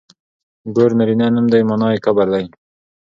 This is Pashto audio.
ګور نرينه نوم دی مانا يې کبر دی.